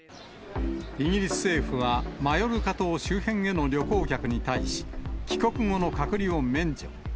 イギリス政府は、マヨルカ島周辺への旅行客に対し、帰国後の隔離を免除。